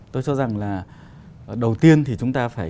tôi cho rằng là đầu tiên thì chúng ta phải